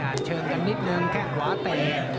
อ่านเชิงกันนิดนึงแค่หวาเต๕๖